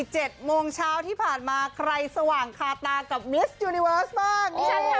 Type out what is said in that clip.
๗โมงเช้าที่ผ่านมาใครสว่างคาตากับมิสยูนิเวิร์สบ้าง